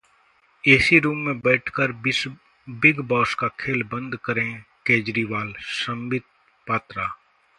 AC room में बैठकर Bigg Boss का खेल बंद करें केजरीवाल: संबित पात्रा